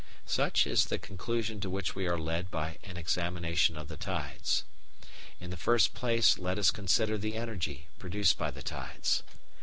Such is the conclusion to which we are led by an examination of the tides. In the first place let us consider the energy produced by the tides.